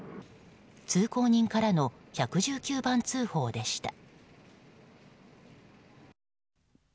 通行人からの１１９番通報でした。